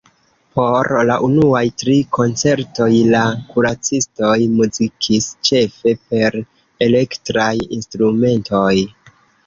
Por la unuaj tri koncertoj, la Kuracistoj muzikis ĉefe per elektraj instrumentoj.